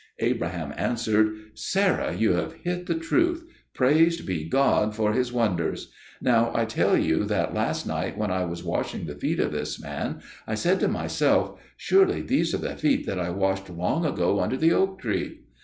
Abraham answered, "Sarah, you have hit the truth; praised be God for His wonders. Now I tell you that last night when I was washing the feet of this man, I said to myself, 'Surely these are the feet that I washed long ago under the oak tree?'